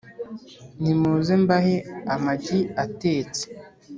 nimuze mbahe amagi atetse